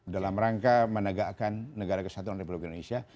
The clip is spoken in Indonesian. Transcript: dalam rangka menegakkan negara kesatuan republik indonesia